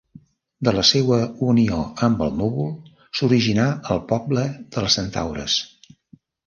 De la seua unió amb el núvol, s'originà el poble dels centaures.